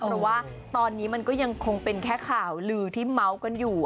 เพราะว่าตอนนี้มันก็ยังคงเป็นแค่ข่าวลือที่เมาส์กันอยู่